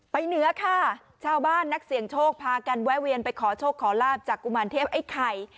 เหนือค่ะชาวบ้านนักเสี่ยงโชคพากันแวะเวียนไปขอโชคขอลาบจากกุมารเทพไอ้ไข่